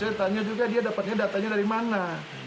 datanya juga dia dapatnya datanya dari mana